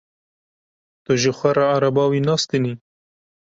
Tu ji xwe ra ereba wî nastînî?